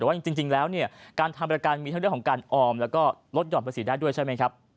แต่ว่าจริงแล้วเนี่ยการทำประกันมีทั้งเรื่องของการออมแล้วก็ลดหย่อนภาษีได้ด้วยใช่ไหมครับ